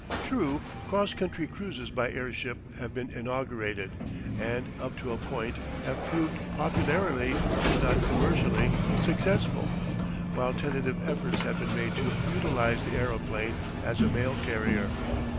True, cross country cruises by airship have been inaugurated, and, up to a point, have proved popularly, if not commercially, successful, while tentative efforts have been made to utilise the aeroplane as a mail carrier.